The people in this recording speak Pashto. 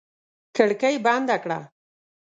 کړکۍ بندې کړه!